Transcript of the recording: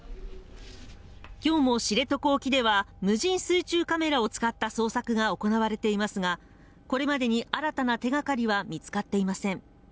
今日も知床沖では無人水中カメラを使った捜索が行われていますがこれまでに新たな手がかりは見つかっていません